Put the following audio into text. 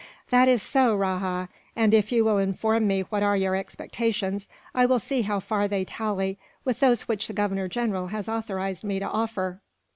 "That is so, Rajah, and if you will inform me what are your expectations, I will see how far they tally with those which the Governor General has authorized me to offer."